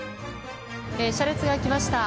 車列が来ました。